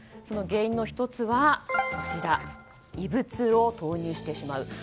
その原因の１つは異物を投入してしまう。